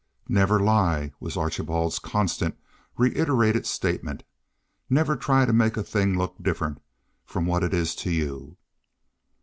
"Never lie," was Archibald's constant, reiterated statement. "Never try to make a thing look different from what it is to you.